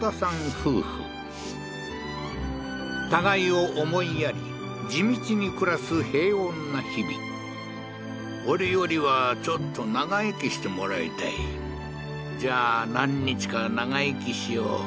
夫婦互いを思いやり地道に暮らす平穏な日々俺よりはちょっと長生きしてもらいたいじゃあ何日か長生きしよう